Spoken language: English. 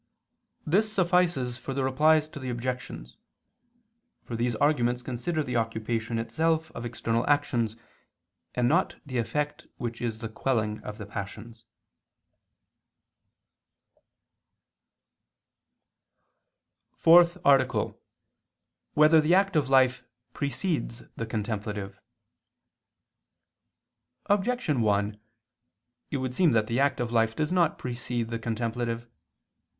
This suffices for the Replies to the Objections; for these arguments consider the occupation itself of external actions, and not the effect which is the quelling of the passions. _______________________ FOURTH ARTICLE [II II, Q. 182, Art. 4] Whether the Active Life Precedes the Contemplative? Objection 1: It would seem that the active life does not precede the contemplative.